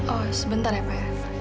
oh sebentar ya pak